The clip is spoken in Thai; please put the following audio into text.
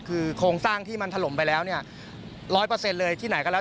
คือโครงสร้างที่มันถล่มไปแล้วเนี่ย๑๐๐เลยที่ไหนก็แล้ว